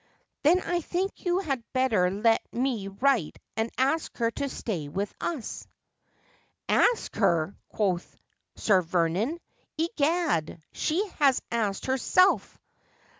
' Then I think you had bettor let me write and ask her to stay with us.' 334 Asphodel. ' Ask her !' quoth Sir Vernon, ' egad, she has asked herself.'